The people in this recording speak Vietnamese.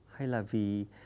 hay là vì